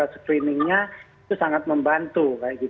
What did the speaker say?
screeningnya itu sangat membantu